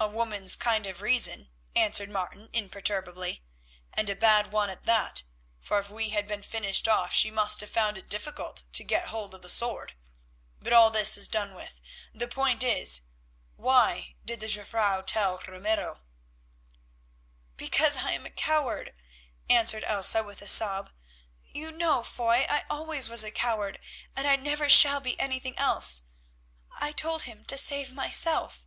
"A woman's kind of reason," answered Martin imperturbably, "and a bad one at that, for if we had been finished off she must have found it difficult to get hold of the sword. But all this is done with. The point is, why did the Jufvrouw tell Ramiro?" "Because I am a coward," answered Elsa with a sob. "You know, Foy, I always was a coward, and I never shall be anything else. I told him to save myself."